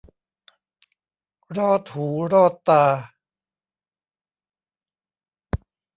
รอดหูรอดตา